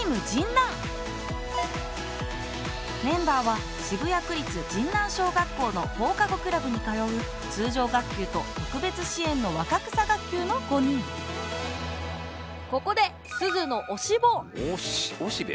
メンバーは渋谷区立神南小学校の放課後クラブに通う通常学級と特別支援のわかくさ学級の５人ここでおおしべ？